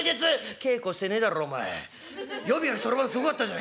「稽古してねえだろお前読み書きそろばんすごかったじゃねえか。